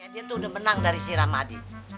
dia tuh udah menang dari si ramadi